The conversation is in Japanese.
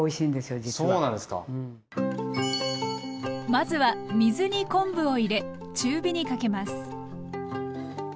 まずは水に昆布を入れ中火にかけます。